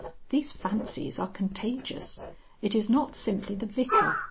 These fancies are contagious. It is not simply the Vicar.